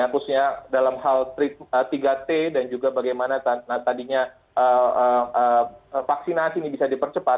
khususnya dalam hal tiga t dan juga bagaimana tadinya vaksinasi ini bisa dipercepat